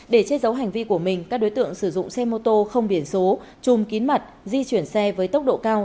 để chết giấu hành vi của mình các đối tượng sử dụng xe mô tô không biển số chùm kín mặt di chuyển xe với tốc độ cao